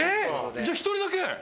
じゃあ１人だけ？